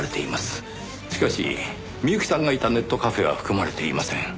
しかし美由紀さんがいたネットカフェは含まれていません。